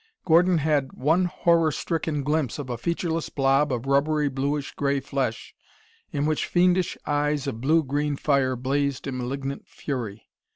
Gordon had one horror stricken glimpse of a featureless blob of rubbery bluish gray flesh in which fiendish eyes of blue green fire blazed in malignant fury.